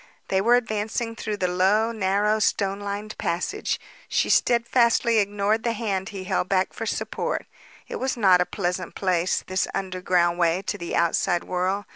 They were advancing through the low, narrow stone lined passage. She steadfastly ignored the hand he held back for support. It was not a pleasant place, this underground way to the outside world.